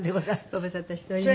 ご無沙汰しております。